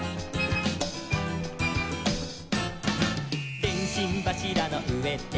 「でんしんばしらの上で」